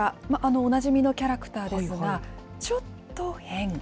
おなじみのキャラクターですが、ちょっと変。